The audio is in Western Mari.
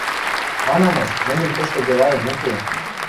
— Манамыш, мӹньӹн тӹштӹ делаэм уке.